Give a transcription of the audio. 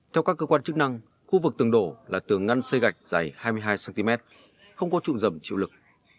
theo các cơ quan chức năng khu vực tường đổ là tường ngăn xây gạch dày hai mươi hai cm không có trụng rầm chịu lực